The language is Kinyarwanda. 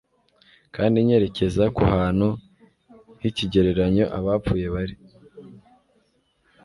kandi ryerekeza ku hantu h ikigereranyo abapfuye bari